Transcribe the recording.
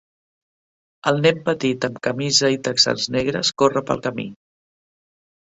El nen petit amb camisa i texans negres corre pel camí.